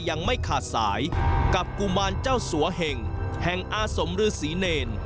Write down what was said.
ยังไม่ขาดสายกับกุมารเจ้าสัวเหงแห่งอาสมฤษีเนร